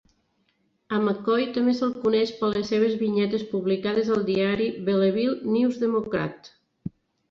A McCoy també se'l coneix per les seves vinyetes publicades al diari "Belleville News-Democrat".